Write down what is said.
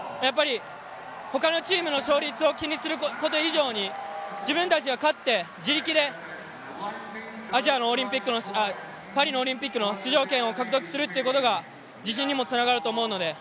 他のチームの勝率を気にすること以上に自分たちが勝って、自力でパリのオリンピックの出場権を獲得するということが自信にも繋がると思うので。